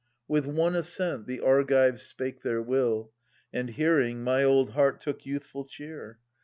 With one assent the Argives spake their will, And, hearing, my old heart took youthful cheer.